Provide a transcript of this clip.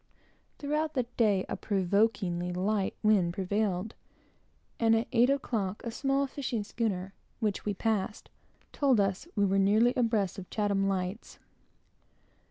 Throughout the day a provokingly light wind prevailed, and at eight o'clock, a small fishing schooner, which we passed, told us we were nearly abreast of Chatham lights.